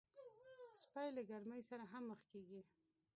سپي له ګرمۍ سره هم مخ کېږي.